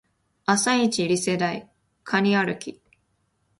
朝イチリセ台カニ歩き